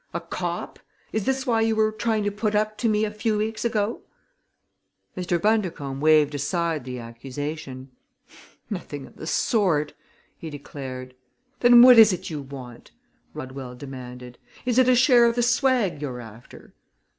"A cop? Is this why you were trying to put up to me a few weeks ago?" Mr. Bundercombe waved aside the accusation. "Nothing of the sort!" he declared. "Then what is it you want?" Rodwell demanded. "Is it a share of the swag you're after?"